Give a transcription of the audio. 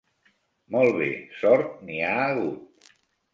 Molt bé, sort n'hi ha hagut!